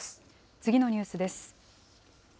次のニュースです。